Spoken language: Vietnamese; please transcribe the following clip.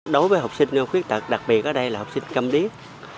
đối với học sinh khuyết tật đặc biệt ở đây là học sinh cam điếc